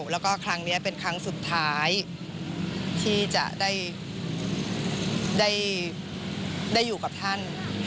แล้วก็ครั้งนี้เป็นครั้งสุดท้ายที่จะได้อยู่กับท่าน